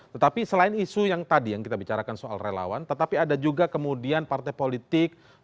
tetapi selain isu yang tadi yang kita bicarakan soal relawan tetapi ada juga kemudian partai politik